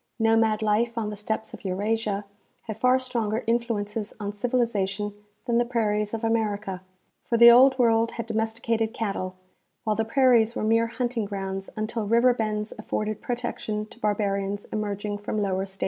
Nomad life on the steppes of Eurasia had far stronger influences on civilization than the prairies of America, for the old world had domesticated cattle, while the prairies were mere hunting grounds until river bends afibrded protection to barbarians emerging from lower stages.